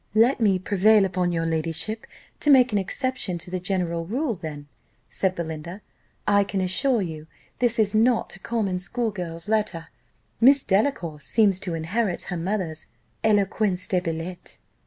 "Let me prevail upon your ladyship to make an exception to the general rule then," said Belinda; "I can assure you this is not a common school girl's letter: Miss Delacour seems to inherit her mother's 'eloquence de billet.